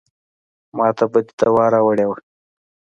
ماته به دې دوا راوړې وه.